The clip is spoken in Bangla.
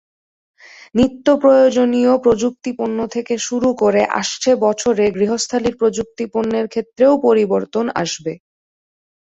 নিত্যপ্রয়োজনীয় প্রযুক্তিপণ্য থেকে শুরু করে আসছে বছরে গৃহস্থালির প্রযুক্তিপণ্যের ক্ষেত্রেও পরিবর্তন আসবে।